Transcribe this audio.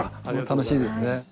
楽しいですね。